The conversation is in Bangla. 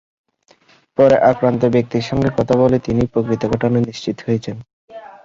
পরে আক্রান্ত ব্যক্তির সঙ্গে কথা বলে তিনি প্রকৃত ঘটনা নিশ্চিত হয়েছেন।